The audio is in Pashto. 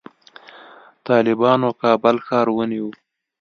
طالبانو کابل ښار ونیو